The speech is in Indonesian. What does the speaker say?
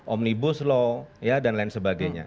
omnibus law dan lain sebagainya